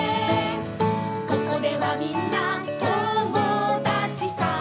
「ここではみんな友だちさ」